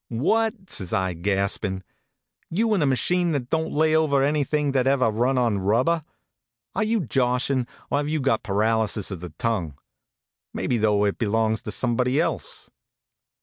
What!" says I, gaspin . You in a machine that don t lay over anything that ever run on rubber? Are you joshin , or have you got paralysis of the tongue? Maybe, though, it belongs to somebody else."